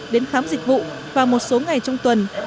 đến khám dịch vụ vào một số ngày trong tuần